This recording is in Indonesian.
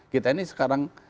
kita ini sekarang